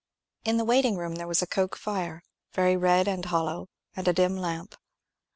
In the waiting room there was a coke fire, very red and hollow, and a dim lamp.